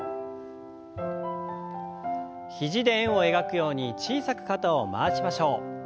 肘で円を描くように小さく肩を回しましょう。